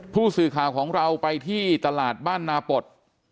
ผู้สื่อข่าวของเราไปที่ตลาดบ้านนาปศ